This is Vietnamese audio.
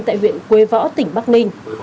tại huyện quê võ tỉnh bắc ninh